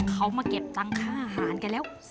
เขามาเก็บตังค่าอาหารกันแล้ว